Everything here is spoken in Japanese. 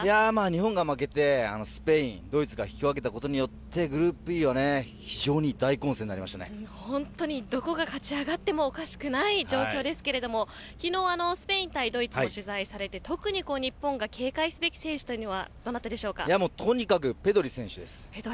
日本が負けてスペインとドイツが引き分けたことによってどこが勝ち上がってもおかしくない状況ですけれども昨日、スペイン対ドイツを取材されて、特に日本が警戒すべき選手というのはとにかくペドリ選手です。